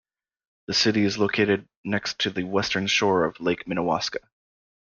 The city is located next to the western shore of Lake Minnewaska.